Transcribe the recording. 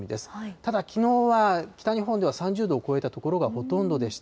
ただ、きのうは北日本では３０度を超えた所がほとんどでした。